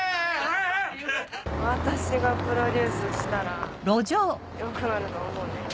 私がプロデュースしたら良くなると思うねん。